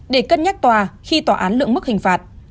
để cân nhắc tòa khi tòa án lượng mức hình phạt